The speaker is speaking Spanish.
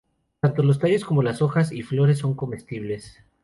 Tanto los tallos como las hojas y flores son comestibles.